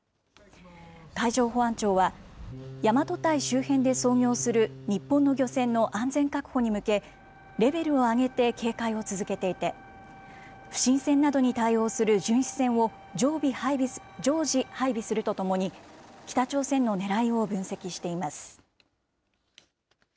海上保安庁は、大和堆周辺で操業する日本の漁船の安全確保に向け、レベルを上げて警戒を続けていて、不審船などに対応する巡視船を常時配備するとともに、北朝鮮のねらいを分析しています。